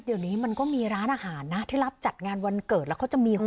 เดี๋ยวนี้มันก็มีร้านอาหารนะที่รับจัดงานวันเกิดแล้วเขาจะมีคน